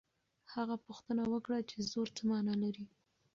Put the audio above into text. هغه پوښتنه وکړه چې زور څه مانا لري.